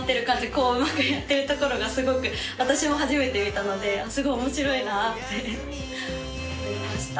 こううまくやってるところが私も初めて見たのですごい面白いなって思いました。